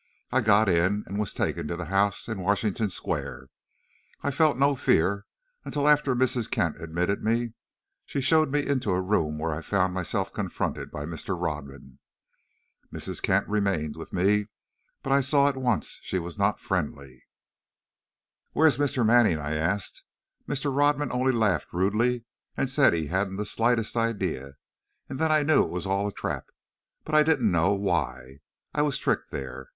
I got in, and was taken to the house in Washington Square. I felt no fear until, after Mrs. Kent admitted me, she showed me into a room where I found myself confronted by Mr. Rodman. Mrs. Kent remained with me, but I saw at once she was not friendly. "'Where is Mr. Manning?' I asked. Mr. Rodman only laughed rudely and said he hadn't the slightest idea. And then I knew it was all a trap, but I didn't know why I was tricked there.